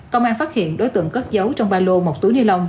công an phát hiện đối tượng cất giấu trong ba lô một túi ni lông